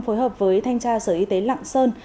phối hợp với thanh tra sở y tế lạng sơn